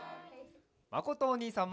まことおにいさんも！